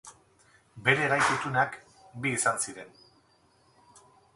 Bere gai kutunak bi izan ziren.